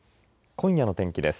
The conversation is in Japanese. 今夜の天気です。